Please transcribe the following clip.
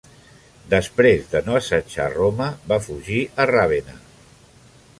Després de no assetjar Roma, va fugir a Ravenna.